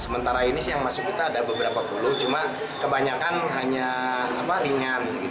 sementara ini yang masuk kita ada beberapa puluh cuma kebanyakan hanya ringan